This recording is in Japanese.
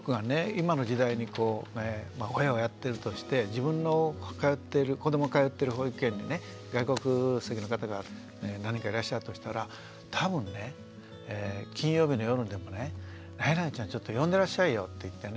今の時代に親をやってるとして自分の通っている子どもが通ってる保育園にね外国籍の方が何人かいらっしゃるとしたら多分ね金曜日の夜にでもね「なになにちゃんちょっと呼んでらっしゃいよ」って言ってね